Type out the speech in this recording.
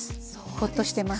ほっとしてます。